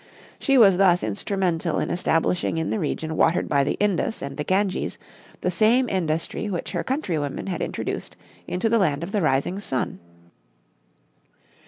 She was thus instrumental in establishing in the region watered by the Indus and the Ganges the same industry which her countrywomen had introduced into the Land of the Rising Sun.